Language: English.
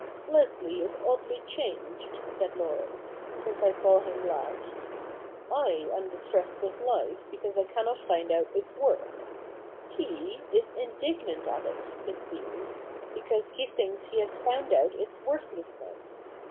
' Leslie is oddly changed,' said Laurence, ' since I saw him last. / am distressed with life because I cannot find out its worth. He is indignant at it, it seems, because he thinks he has found out its worthlessness.